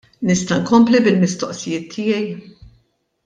Nista' inkompli bil-mistoqsijiet tiegħi?